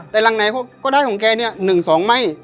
แต่หลังไหนก็ได้ของแกเนี่ย๑๒ไหม้